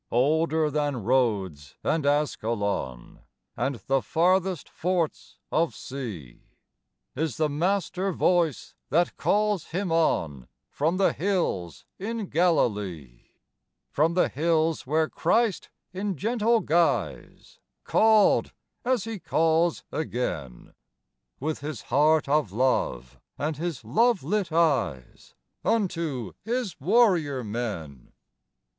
Older than Rhodes and Ascalon And the farthest forts of sea, Is the Master voice that calls him on From the hills in Galilee: From hills where Christ in gentle guise Called, as He calls again, With His heart of love and His love lit eyes Unto His warrior men.